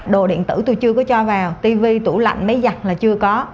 đồ điện tử tôi chưa có cho vào tivi tủ lạnh máy giặt là chưa có